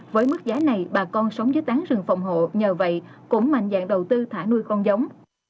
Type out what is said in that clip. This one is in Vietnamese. với mức giá này bà con sống dưới tán rừng phòng hộ nhờ vậy cũng mạnh dạng đầu tư thả nuôi con giống